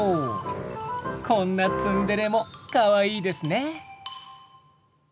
こんなツンデレもかわいいですね。